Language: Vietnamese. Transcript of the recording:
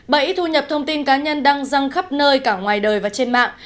bảy thu nhập thông tin cá nhân đăng răng khắp nơi cả ngoài đời và trên mạng